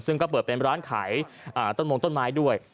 ซึ่งก็เปิดเป็นร้านขายต้นมงต้นไม้ด้วย